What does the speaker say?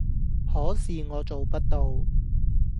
可是我做不到